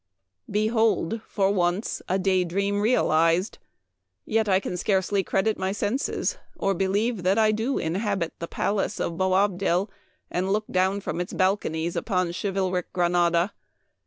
Behold, for once, a day dream realized ! yet I can scarcely credit my senses, or believe that I do indeed inhabit the palace of Boabdil, and look down from its balconies upon chivalric Granada.